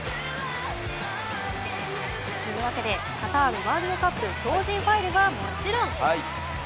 というわけでカタールワールドカップ超人ファイルはもちろん。